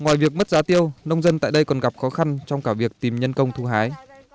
ngoài việc mất giá tiêu nông dân tại đây còn gặp khó khăn trong cả việc tìm nhân công thu hái